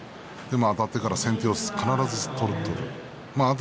あたってから先手を必ず取ると。